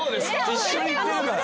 一緒に行ってるから。